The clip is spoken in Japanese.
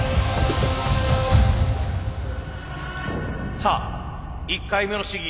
さあ１回目の試技